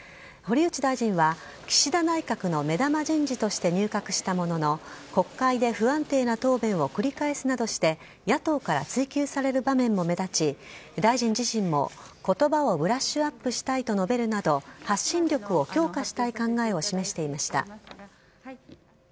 堀内大臣は岸田内閣の目玉人事として入閣したものの国会で不安定な答弁を繰り返すなどして野党から追及される場面も目立ち大臣自身も言葉をブラッシュアップしたいと述べるなど発信力を強化したい考えを示していました。